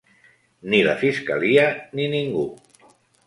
Ni la fiscalia ni ningú.